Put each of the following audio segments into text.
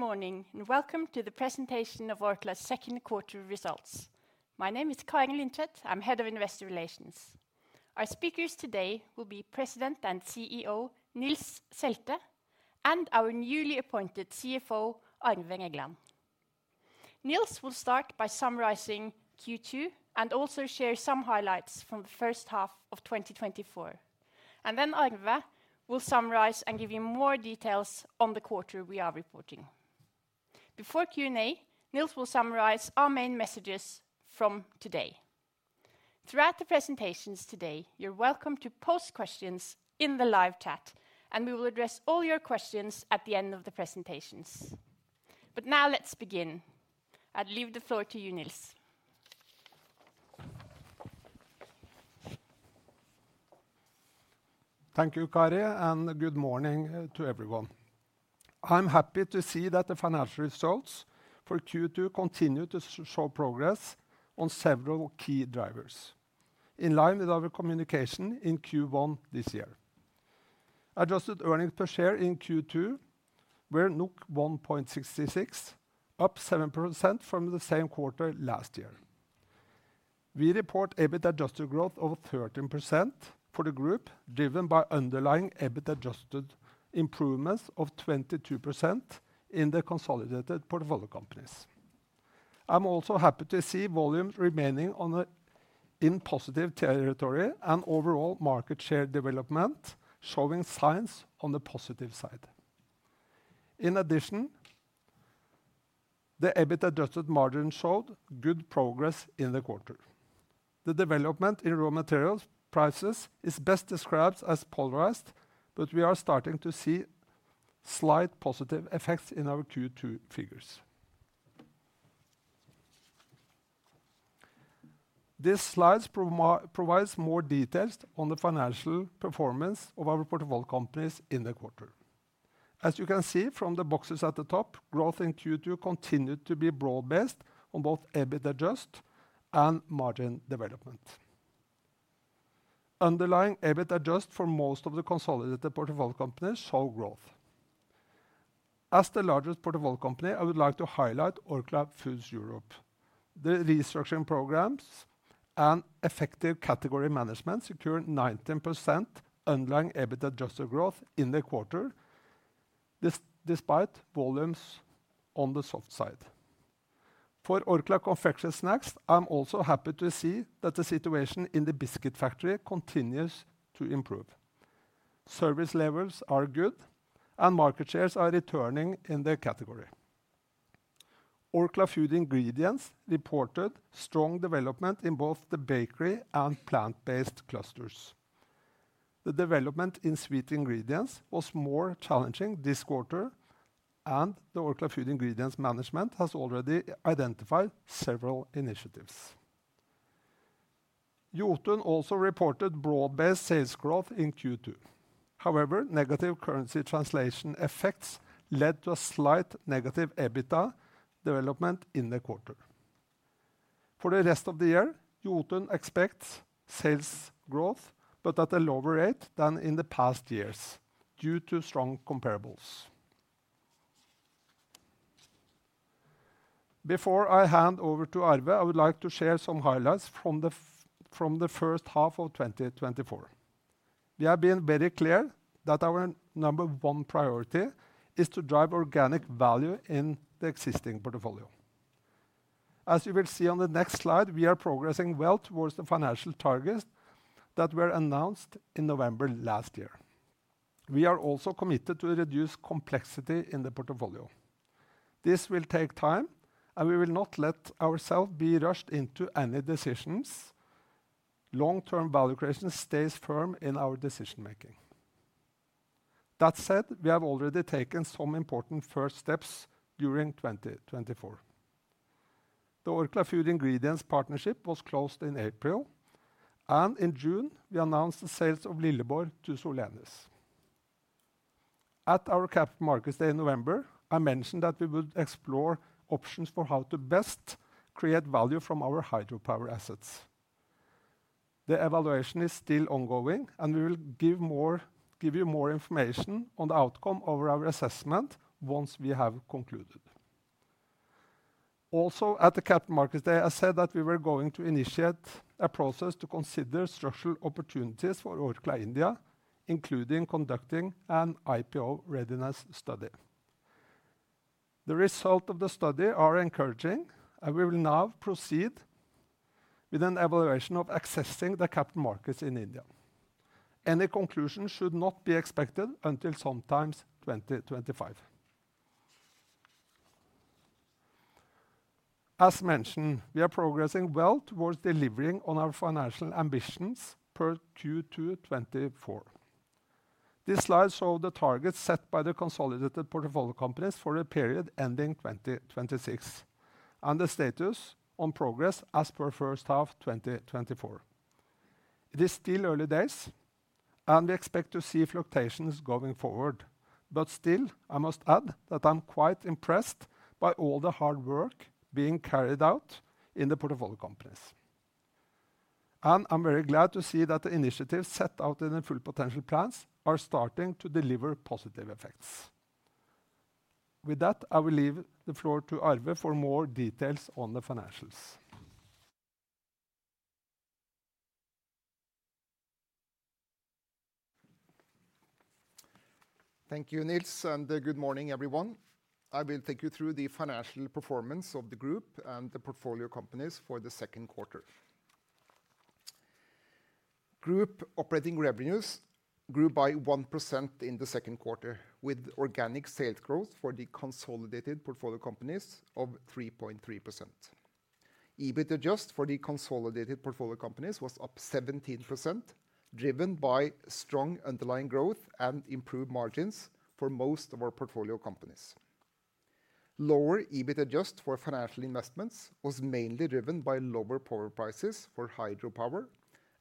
Good morning, and welcome to the presentation of Orkla's second quarter results. My name is Kari Lindtvedt, I'm Head of Investor Relations. Our speakers today will be President and CEO, Nils Selte, and our newly appointed CFO, Arve Regland. Nils will start by summarizing Q2, and also share some highlights from the first half of 2024. And then Arve will summarize and give you more details on the quarter we are reporting. Before Q&A, Nils will summarize our main messages from today. Throughout the presentations today, you're welcome to post questions in the live chat, and we will address all your questions at the end of the presentations. But now, let's begin. I leave the floor to you, Nils. Thank you, Kari, and good morning to everyone. I'm happy to see that the financial results for Q2 continue to show progress on several key drivers, in line with our communication in Q1 this year. Adjusted earnings per share in Q2 were 1.66, up 7% from the same quarter last year. We report EBIT Adjusted growth of 13% for the group, driven by underlying EBIT Adjusted improvements of 22% in the consolidated portfolio companies. I'm also happy to see volumes remaining in positive territory and overall market share development, showing signs on the positive side. In addition, the EBIT Adjusted margin showed good progress in the quarter. The development in raw materials prices is best described as polarized, but we are starting to see slight positive effects in our Q2 figures. This slide provides more details on the financial performance of our portfolio companies in the quarter. As you can see from the boxes at the top, growth in Q2 continued to be broad-based on both EBIT adjusted and margin development. Underlying EBIT adjusted for most of the consolidated portfolio companies show growth. As the largest portfolio company, I would like to highlight Orkla Foods Europe. The restructuring programs and effective category management secured 19% underlying EBIT adjusted growth in the quarter, despite volumes on the soft side. For Orkla Confectionery & Snacks, I'm also happy to see that the situation in the biscuit factory continues to improve. Service levels are good, and market shares are returning in their category. Orkla Food Ingredients reported strong development in both the bakery and plant-based clusters. The development in sweet ingredients was more challenging this quarter, and the Orkla Food Ingredients management has already identified several initiatives. Jotun also reported broad-based sales growth in Q2. However, negative currency translation effects led to a slight negative EBITDA development in the quarter. For the rest of the year, Jotun expects sales growth, but at a lower rate than in the past years due to strong comparables. Before I hand over to Arve, I would like to share some highlights from the first half of 2024. We have been very clear that our number one priority is to drive organic value in the existing portfolio. As you will see on the next slide, we are progressing well towards the financial targets that were announced in November last year. We are also committed to reduce complexity in the portfolio. This will take time, and we will not let ourselves be rushed into any decisions. Long-term value creation stays firm in our decision-making. That said, we have already taken some important first steps during 2024. The Orkla Food Ingredients partnership was closed in April, and in June, we announced the sales of Lilleborg to Solenis. At our Capital Markets Day in November, I mentioned that we would explore options for how to best create value from our hydropower assets. The evaluation is still ongoing, and we will give you more information on the outcome of our assessment once we have concluded. Also, at the Capital Markets Day, I said that we were going to initiate a process to consider structural opportunities for Orkla India, including conducting an IPO readiness study. The results of the study are encouraging, and we will now proceed with an evaluation of accessing the capital markets in India. Any conclusion should not be expected until sometime in 2025. As mentioned, we are progressing well towards delivering on our financial ambitions per Q2 2024. This slide shows the targets set by the consolidated portfolio companies for a period ending 2026, and the status on progress as per first half 2024. It is still early days, and we expect to see fluctuations going forward. But still, I must add that I'm quite impressed by all the hard work being carried out in the portfolio companies… And I'm very glad to see that the initiatives set out in the Full Potential Plans are starting to deliver positive effects. With that, I will leave the floor to Arve for more details on the financials. Thank you, Nils, and good morning, everyone. I will take you through the financial performance of the group and the portfolio companies for the second quarter. Group operating revenues grew by 1% in the second quarter, with organic sales growth for the consolidated portfolio companies of 3.3%. EBIT adjusted for the consolidated portfolio companies was up 17%, driven by strong underlying growth and improved margins for most of our portfolio companies. Lower EBIT adjusted for financial investments was mainly driven by lower power prices for hydropower,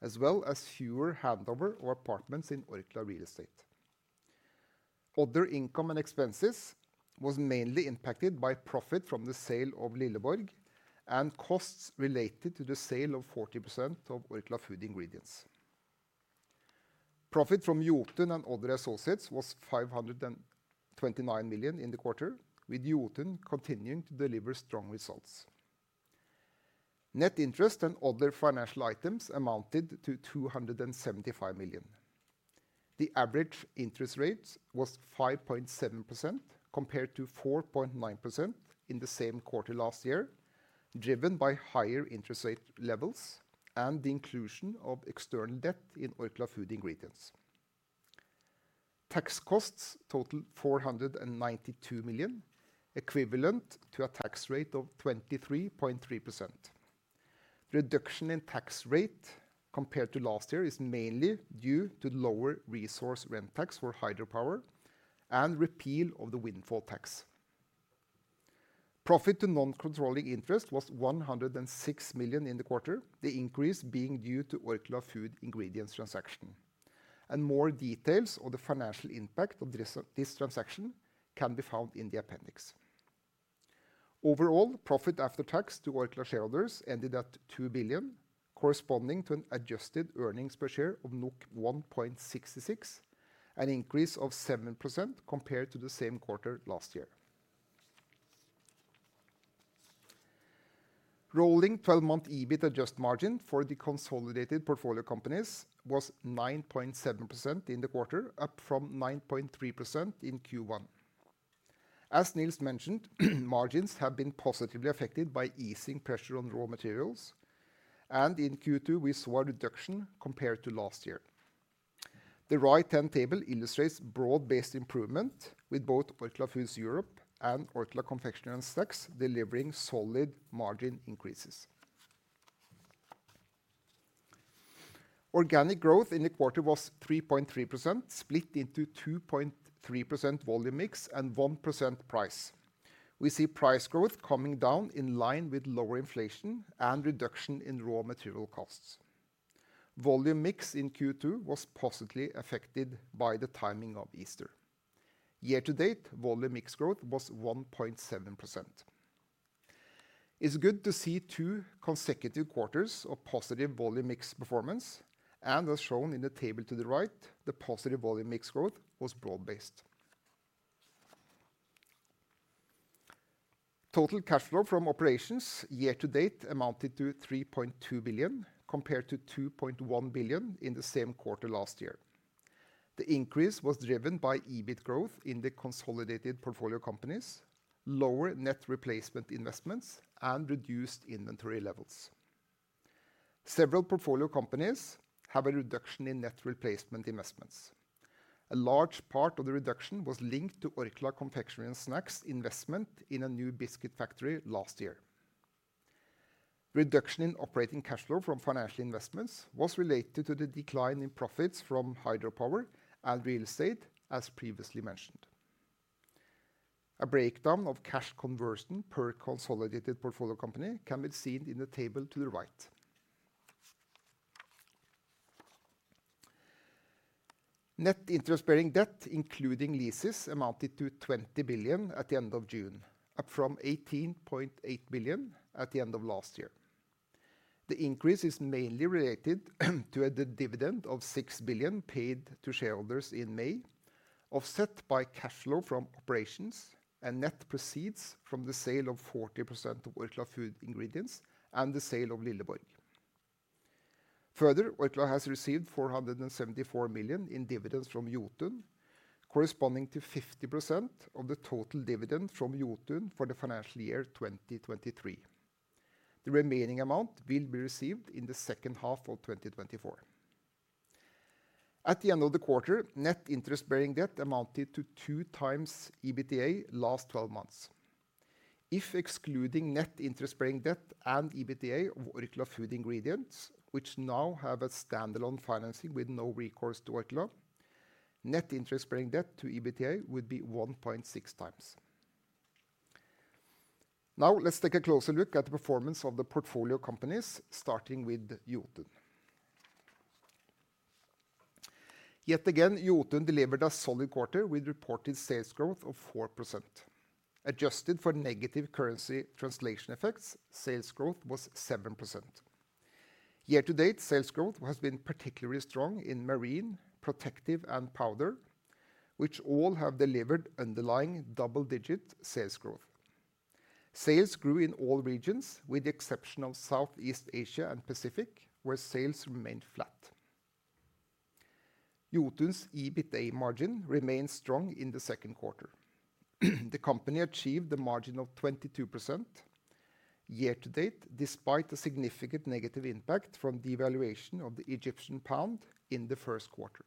as well as fewer handovers of apartments in Orkla Real Estate. Other income and expenses was mainly impacted by profit from the sale of Lilleborg and costs related to the sale of 40% of Orkla Food Ingredients. Profit from Jotun and other associates was 529 million in the quarter, with Jotun continuing to deliver strong results. Net interest and other financial items amounted to 275 million. The average interest rate was 5.7%, compared to 4.9% in the same quarter last year, driven by higher interest rate levels and the inclusion of external debt in Orkla Food Ingredients. Tax costs totaled 492 million, equivalent to a tax rate of 23.3%. Reduction in tax rate compared to last year is mainly due to lower resource rent tax for hydropower and repeal of the windfall tax. Profit to non-controlling interest was 106 million in the quarter, the increase being due to Orkla Food Ingredients transaction. More details on the financial impact of this, this transaction can be found in the appendix. Overall, profit after tax to Orkla shareholders ended at 2 billion, corresponding to an adjusted earnings per share of 1.66, an increase of 7% compared to the same quarter last year. Rolling 12-month EBIT adjusted margin for the consolidated portfolio companies was 9.7% in the quarter, up from 9.3% in Q1. As Nils mentioned, margins have been positively affected by easing pressure on raw materials, and in Q2 we saw a reduction compared to last year. The right-hand table illustrates broad-based improvement, with both Orkla Foods Europe and Orkla Confectionery & Snacks delivering solid margin increases. Organic growth in the quarter was 3.3%, split into 2.3% volume mix and 1% price. We see price growth coming down in line with lower inflation and reduction in raw material costs. Volume mix in Q2 was positively affected by the timing of Easter. year-to-date, volume mix growth was 1.7%. It's good to see two consecutive quarters of positive volume mix performance, and as shown in the table to the right, the positive volume mix growth was broad-based. Total cash flow from operations year-to-date amounted to 3.2 billion, compared to 2.1 billion in the same quarter last year. The increase was driven by EBIT growth in the consolidated portfolio companies, lower net replacement investments, and reduced inventory levels. Several portfolio companies have a reduction in net replacement investments. A large part of the reduction was linked to Orkla Confectionery & Snacks investment in a new biscuit factory last year. Reduction in operating cash flow from financial investments was related to the decline in profits from hydropower and real estate, as previously mentioned. A breakdown of cash conversion per consolidated portfolio company can be seen in the table to the right. Net interest-bearing debt, including leases, amounted to 20 billion at the end of June, up from 18.8 billion at the end of last year. The increase is mainly related to a dividend of 6 billion paid to shareholders in May, offset by cash flow from operations and net proceeds from the sale of 40% of Orkla Food Ingredients and the sale of Lilleborg. Further, Orkla has received 474 million in dividends from Jotun, corresponding to 50% of the total dividend from Jotun for the financial year 2023. The remaining amount will be received in the second half of 2024. At the end of the quarter, net interest-bearing debt amounted to 2x EBITDA last twelve months. If excluding net interest-bearing debt and EBITDA of Orkla Food Ingredients, which now have a standalone financing with no recourse to Orkla, net interest-bearing debt to EBITDA would be 1.6x. Now, let's take a closer look at the performance of the portfolio companies, starting with Jotun. Yet again, Jotun delivered a solid quarter with reported sales growth of 4%. Adjusted for negative currency translation effects, sales growth was 7%. year-to-date, sales growth has been particularly strong in marine, protective, and powder, which all have delivered underlying double-digit sales growth. Sales grew in all regions, with the exception of Southeast Asia and Pacific, where sales remained flat. Jotun's EBIT margin remained strong in the second quarter. The company achieved a margin of 22% year-to-date, despite a significant negative impact from devaluation of the Egyptian pound in the first quarter.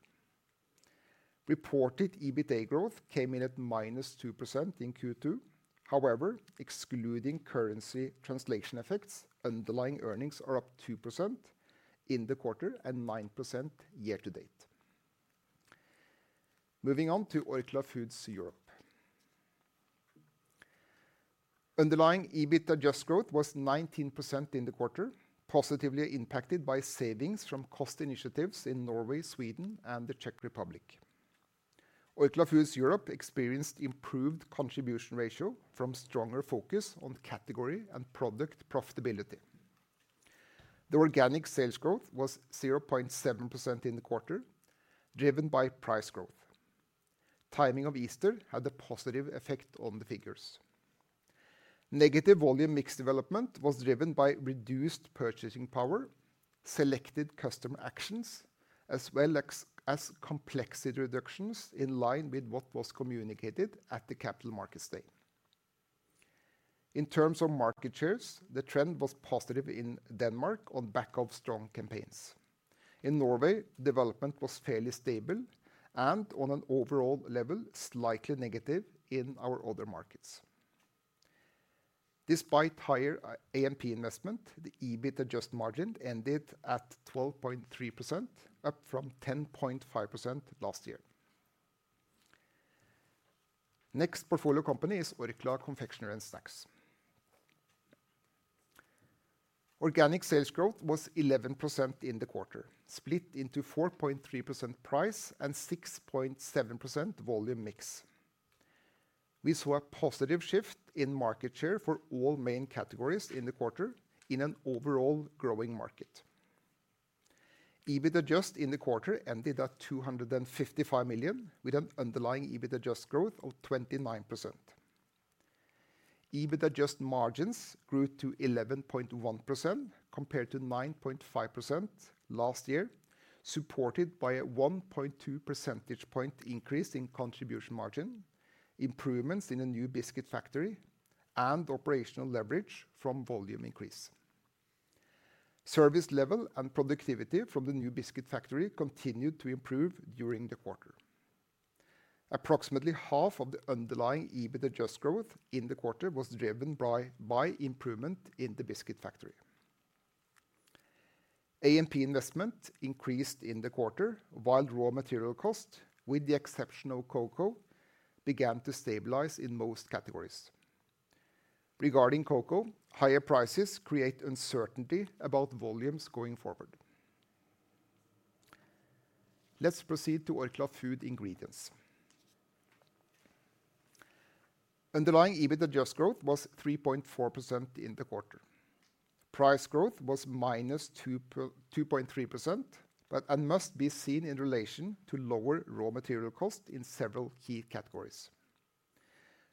Reported EBIT growth came in at -2% in Q2. However, excluding currency translation effects, underlying earnings are up 2% in the quarter and 9% year-to-date. Moving on to Orkla Foods Europe. Underlying EBIT adjusted growth was 19% in the quarter, positively impacted by savings from cost initiatives in Norway, Sweden, and the Czech Republic. Orkla Foods Europe experienced improved contribution ratio from stronger focus on category and product profitability. The organic sales growth was 0.7% in the quarter, driven by price growth. Timing of Easter had a positive effect on the figures. Negative volume mix development was driven by reduced purchasing power, selected customer actions, as well as complexity reductions in line with what was communicated at the Capital Markets Day. In terms of market shares, the trend was positive in Denmark on back of strong campaigns. In Norway, development was fairly stable and on an overall level, slightly negative in our other markets. Despite higher A&P investment, the EBIT adjusted margin ended at 12.3%, up from 10.5% last year. Next portfolio company is Orkla Confectionery and Snacks. Organic sales growth was 11% in the quarter, split into 4.3% price and 6.7% volume mix. We saw a positive shift in market share for all main categories in the quarter in an overall growing market. EBIT adjusted in the quarter ended at 255 million, with an underlying EBIT adjusted growth of 29%. EBIT adjusted margins grew to 11.1%, compared to 9.5% last year, supported by a 1.2 percentage point increase in contribution margin, improvements in the new biscuit factory, and operational leverage from volume increase. Service level and productivity from the new biscuit factory continued to improve during the quarter. Approximately half of the underlying EBIT adjusted growth in the quarter was driven by improvement in the biscuit factory. A&P investment increased in the quarter, while raw material cost, with the exception of cocoa, began to stabilize in most categories. Regarding cocoa, higher prices create uncertainty about volumes going forward. Let's proceed to Orkla Food Ingredients. Underlying EBIT adjusted growth was 3.4% in the quarter. Price growth was -2.3%, and must be seen in relation to lower raw material cost in several key categories.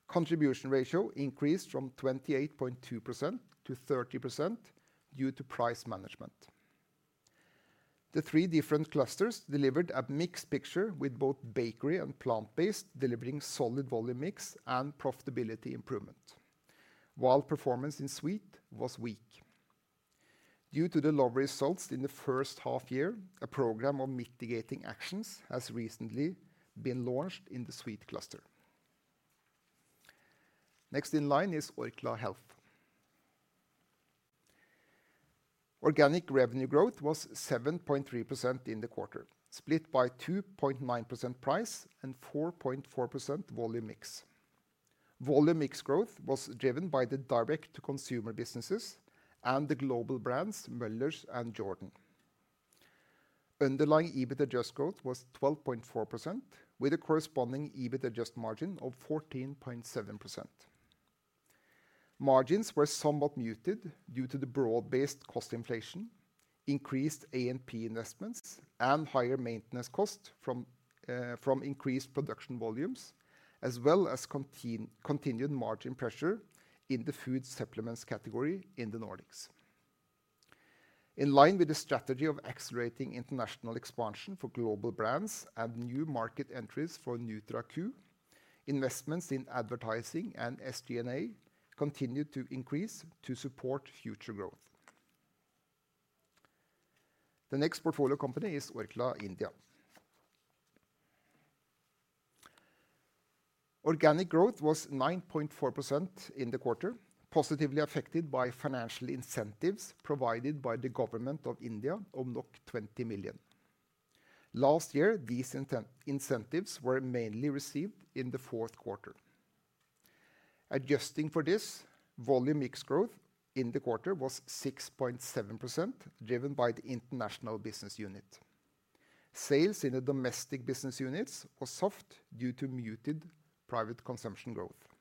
Contribution ratio increased from 28.2% to 30% due to price management. The three different clusters delivered a mixed picture, with both bakery and plant-based delivering solid volume mix and profitability improvement, while performance in sweet was weak. Due to the low results in the first half year, a program of mitigating actions has recently been launched in the sweet cluster. Next in line is Orkla Health. Organic revenue growth was 7.3% in the quarter, split by 2.9% price and 4.4% volume mix. Volume mix growth was driven by the direct-to-consumer businesses and the global brands, Möller's and Jordan. Underlying EBIT adjusted growth was 12.4%, with a corresponding EBIT adjusted margin of 14.7%. Margins were somewhat muted due to the broad-based cost inflation, increased A&P investments, and higher maintenance costs from increased production volumes, as well as continued margin pressure in the food supplements category in the Nordics. In line with the strategy of accelerating international expansion for global brands and new market entries for NutraQ, investments in advertising and SG&A continued to increase to support future growth. The next portfolio company is Orkla India. Organic growth was 9.4% in the quarter, positively affected by financial incentives provided by the Government of India of NOK 20 million. Last year, these incentives were mainly received in the fourth quarter. Adjusting for this, volume mix growth in the quarter was 6.7%, driven by the international business unit. Sales in the domestic business units were soft due to muted private consumption growth.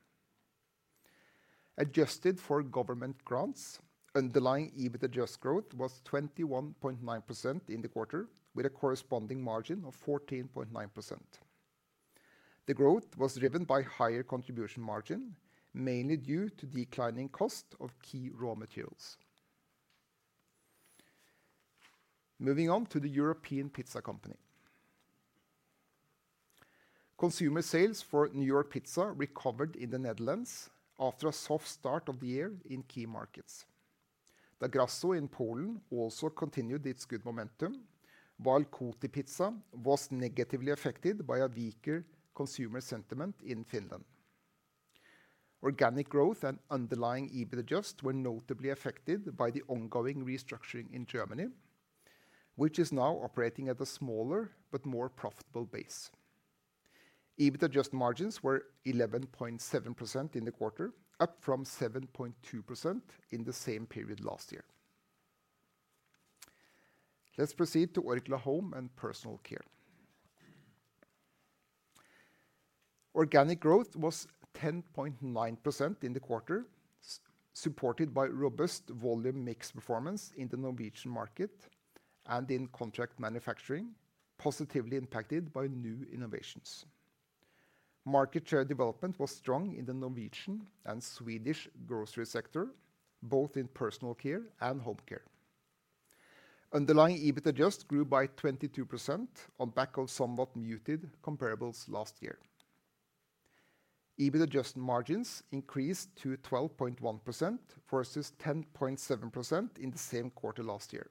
Adjusted for government grants, underlying EBIT adjusted growth was 21.9% in the quarter, with a corresponding margin of 14.9%. The growth was driven by higher contribution margin, mainly due to declining cost of key raw materials. Moving on to the European Pizza Company. Consumer sales for New York Pizza recovered in the Netherlands after a soft start of the year in key markets. Da Grasso in Poland also continued its good momentum, while Kotipizza was negatively affected by a weaker consumer sentiment in Finland. Organic growth and underlying EBIT adjusted were notably affected by the ongoing restructuring in Germany, which is now operating at a smaller but more profitable base. EBIT adjusted margins were 11.7% in the quarter, up from 7.2% in the same period last year. Let's proceed to Orkla Home & Personal Care. Organic growth was 10.9% in the quarter, supported by robust volume mix performance in the Norwegian market and in contract manufacturing, positively impacted by new innovations. Market share development was strong in the Norwegian and Swedish grocery sector, both in personal care and home care. Underlying EBIT adjusted grew by 22% on back of somewhat muted comparables last year. EBIT adjusted margins increased to 12.1% versus 10.7% in the same quarter last year.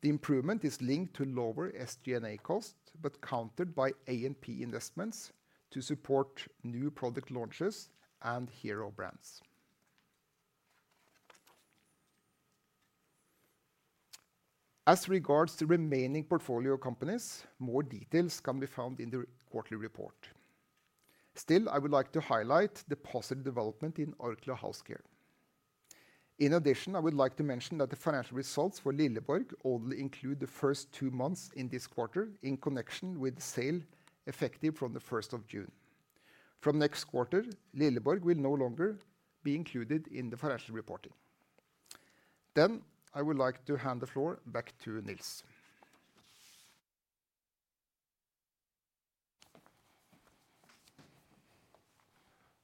The improvement is linked to lower SG&A cost, but countered by A&P investments to support new product launches and hero brands. As regards to remaining portfolio companies, more details can be found in the quarterly report. Still, I would like to highlight the positive development in Orkla House Care. In addition, I would like to mention that the financial results for Lilleborg only include the first two months in this quarter, in connection with the sale effective from the first of June. From next quarter, Lilleborg will no longer be included in the financial reporting. Then, I would like to hand the floor back to Nils.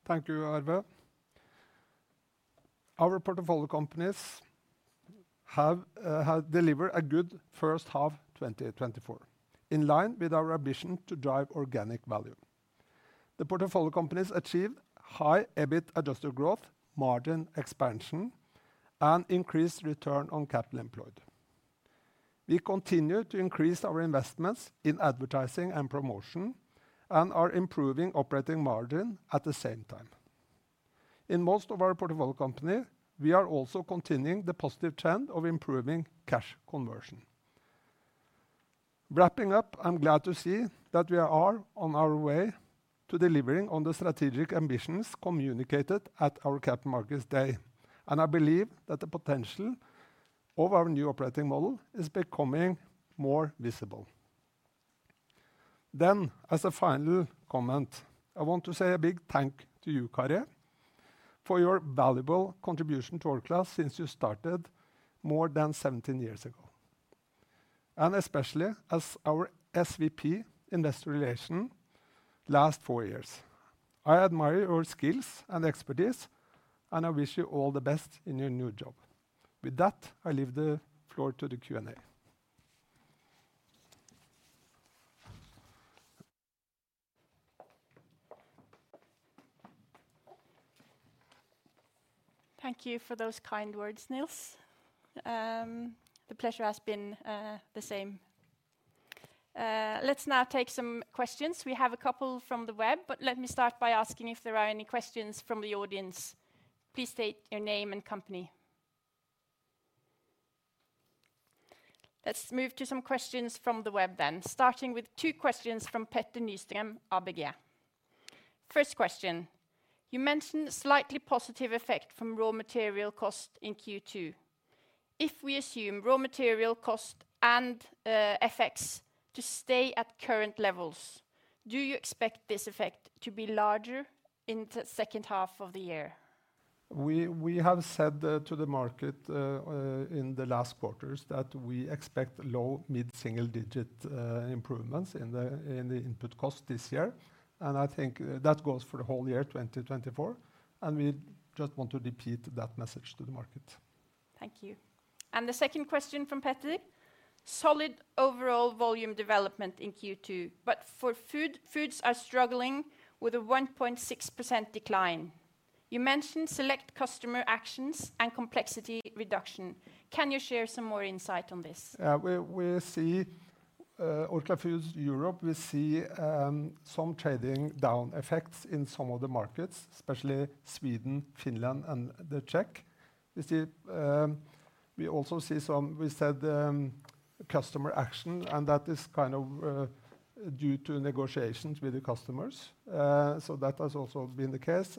Thank you, Arve. Our portfolio companies have delivered a good first half 2024, in line with our ambition to drive organic value. The portfolio companies achieve high EBIT Adjusted growth, margin expansion, and increased return on capital employed. We continue to increase our investments in advertising and promotion and are improving operating margin at the same time. In most of our portfolio company, we are also continuing the positive trend of improving cash conversion. Wrapping up, I'm glad to see that we are on our way to delivering on the strategic ambitions communicated at our Capital Markets Day, and I believe that the potential of our new operating model is becoming more visible. Then, as a final comment, I want to say a big thanks to you, Kari, for your valuable contribution to Orkla since you started more than 17 years ago, and especially as our SVP Investor Relations last four years. I admire your skills and expertise, and I wish you all the best in your new job. With that, I leave the floor to the Q&A. Thank you for those kind words, Nils. The pleasure has been the same. Let's now take some questions. We have a couple from the web, but let me start by asking if there are any questions from the audience. Please state your name and company. Let's move to some questions from the web then, starting with two questions from Petter Nystrøm, ABG. First question: You mentioned slightly positive effect from raw material cost in Q2. If we assume raw material cost and FX to stay at current levels, do you expect this effect to be larger in the second half of the year? We have said to the market in the last quarters that we expect low, mid-single digit improvements in the input cost this year, and I think that goes for the whole year, 2024, and we just want to repeat that message to the market. Thank you. The second question from Petter: Solid overall volume development in Q2, but for food, foods are struggling with a 1.6% decline. You mentioned select customer actions and complexity reduction. Can you share some more insight on this? Yeah, we see Orkla Foods Europe. We see some trading down effects in some of the markets, especially Sweden, Finland, and the Czech. We also see some-- we said-- customer action, and that is kind of due to negotiations with the customers. So that has also been the case.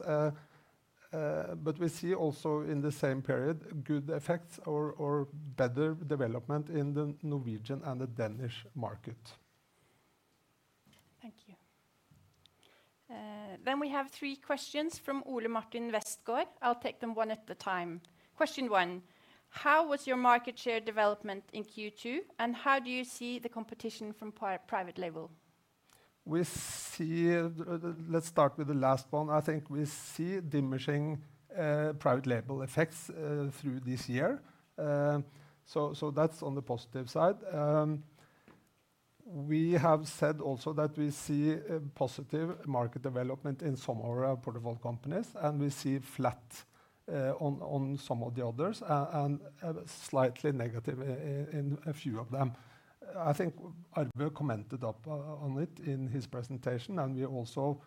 But we see also in the same period, good effects or better development in the Norwegian and the Danish market. Thank you. Then we have three questions from Ole Martin Westgaard. I'll take them one at a time. Question one: How was your market share development in Q2, and how do you see the competition from private label? We see. Let's start with the last one. I think we see diminishing private label effects through this year. So that's on the positive side. We have said also that we see a positive market development in some of our portfolio companies, and we see flat on some of the others, and slightly negative in a few of them. I think Arve commented on it in his presentation, and we also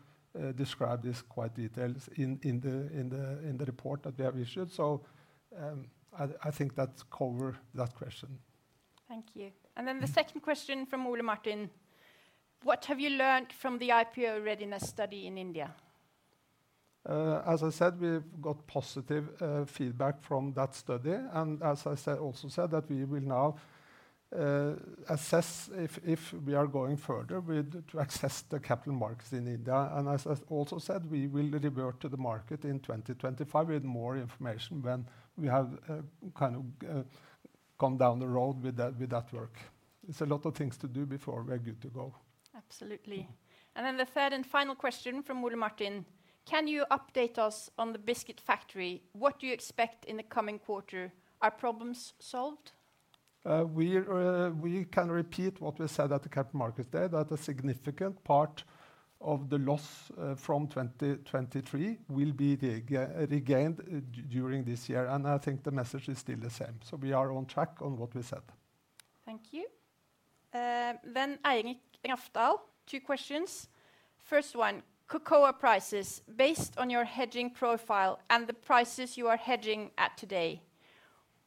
described this in quite some detail in the report that we have issued. So, I think that covers that question. Thank you. The second question from Ole Martin: What have you learned from the IPO readiness study in India? As I said, we've got positive feedback from that study, and as I said, also said, that we will now assess if we are going further with to access the capital markets in India. And as I also said, we will revert to the market in 2025 with more information when we have kind of gone down the road with that work. It's a lot of things to do before we're good to go. Absolutely And then the third and final question from Ole Martin: Can you update us on the biscuit factory? What do you expect in the coming quarter? Are problems solved? We can repeat what we said at the Capital Markets Day, that a significant part of the loss from 2023 will be regained during this year, and I think the message is still the same. So we are on track on what we said. Thank you. Then Eirik Rafdal, two questions. First one, cocoa prices: Based on your hedging profile and the prices you are hedging at today,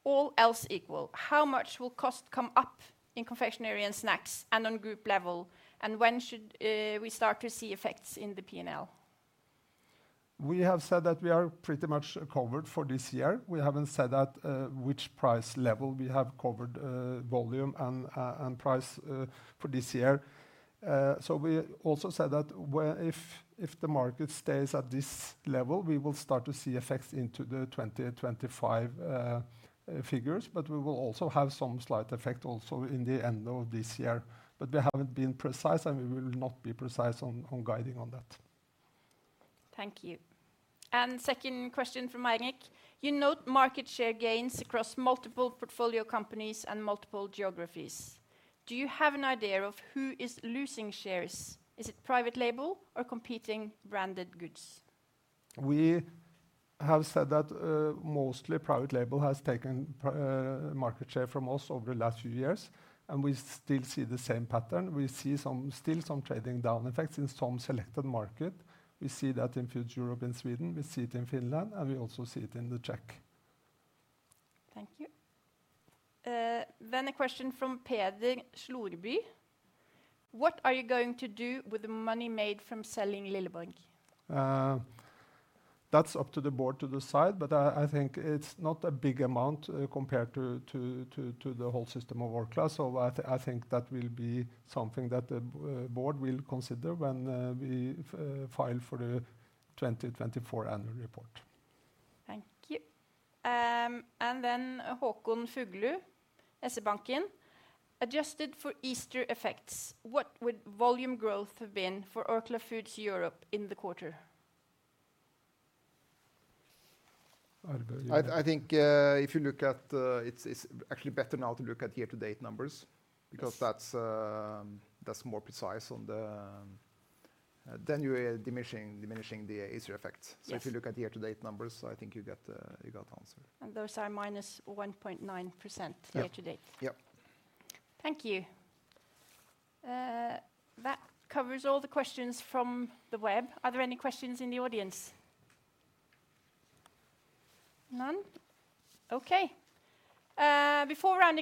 all else equal, how much will cost come up in confectionery and snacks and on group level, and when should we start to see effects in the P&L? We have said that we are pretty much covered for this year. We haven't said at which price level we have covered volume and price for this year. So we also said that if the market stays at this level, we will start to see effects into the 2025 figures, but we will also have some slight effect also in the end of this year. But we haven't been precise, and we will not be precise on guiding on that. Thank you. And second question from Eirik: You note market share gains across multiple portfolio companies and multiple geographies. Do you have an idea of who is losing shares? Is it private label or competing branded goods? We have said that mostly Private Label has taken market share from us over the last few years, and we still see the same pattern. We see still some trading down effects in some selected market. We see that in Foods Europe and Sweden. We see it in Finland, and we also see it in the Czech Republic. Thank you. Then a question from Peder Strand: What are you going to do with the money made from selling Lilleborg? That's up to the Board to decide, but I think it's not a big amount compared to the whole system of Orkla. So I think that will be something that the board will consider when we file for the 2024 annual report. Thank you. And then Håkon Fuglu, SE Banken, adjusted for Easter effects, what would volume growth have been for Orkla Foods Europe in the quarter? Arve? I think, if you look at, it's actually better now to look at year-to-date numbers, because that's more precise on the, then you are diminishing the Easter effects. So if you look at the year-to-date numbers, I think you get, you got the answer. Those are -1.9% year-to-date. Yep. Yep. Thank you. That covers all the questions from the web. Are there any questions in the audience? None. Okay. Before rounding up-